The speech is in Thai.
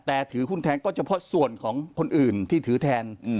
แต่ถือหุ้นแทนก็เฉพาะส่วนของคนอื่นที่ถือแทน